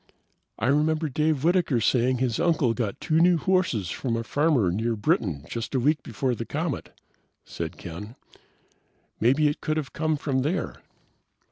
"I remember Dave Whitaker saying his uncle got two new horses from a farmer near Britton just a week before the comet," said Ken. "Maybe it could have come from there."